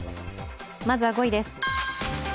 まずは５位です。